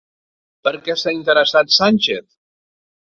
Per què s'ha interessat Sánchez?